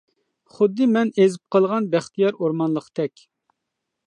خۇددى مەن ئېزىپ قالغان بەختىيار ئورمانلىقتەك.